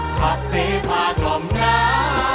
ขับเสพากล่อมน้ำ